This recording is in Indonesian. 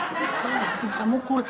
aduh tapi aku bisa mukul